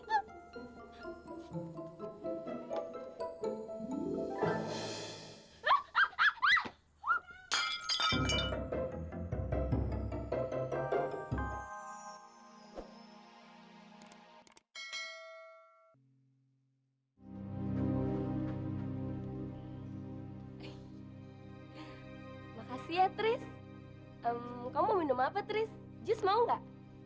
makasih ya tris kamu mau minum apa tris jus mau gak